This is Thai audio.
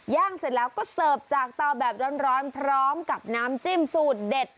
เสร็จแล้วก็เสิร์ฟจากเตาแบบร้อนพร้อมกับน้ำจิ้มสูตรเด็ด